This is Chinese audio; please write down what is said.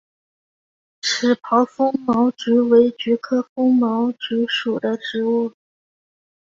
齿苞风毛菊为菊科风毛菊属的植物。